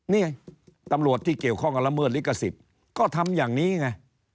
นี่ไงตำรวจที่เกี่ยวข้องกับละเมิดลิขสิทธิ์ก็ทำอย่างนี้ไง